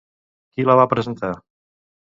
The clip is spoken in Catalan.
Qui la va presentar?